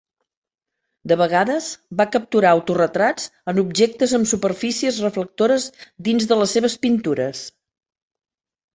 De vegades, va capturar autoretrats en objectes amb superfícies reflectores dins de les seves pintures.